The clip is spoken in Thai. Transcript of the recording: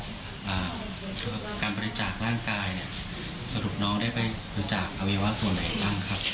การบริจาคร่างกายสรุปน้องได้ไปบริจาคอวิวาส่วนไหนตั้งครับ